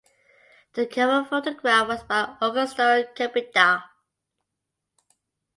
The cover photograph was by Augusto Cabrita.